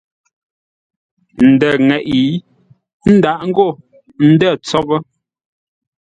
Ndə̂ ŋeʼe, ə́ ndâʼ ngô ndə̂ tsoghʼə.